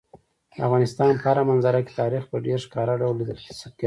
د افغانستان په هره منظره کې تاریخ په ډېر ښکاره ډول لیدل کېدی شي.